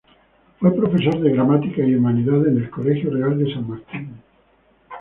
Fue profesor de Gramática y Humanidades en el Colegio Real de San Martín.